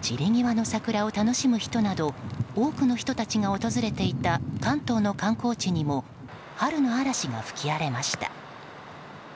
散り際の桜を楽しむ人など、多くの人が訪れていた関東の観光地にも春の嵐が吹き荒れました。